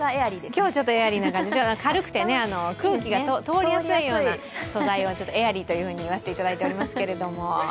今日はちょっとエアリーな感じ、軽くて空気が通りやすい素材をエアリーと呼ばせていただいておりますけれども。